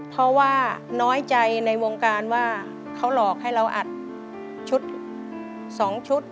เพราะว่าน้อยใจในวงการว่าเขาหลอกให้เราอัดชุด๒ชุด